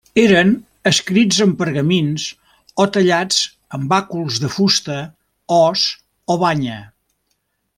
Eren escrits en pergamins o tallats en bàculs de fusta, os o banya.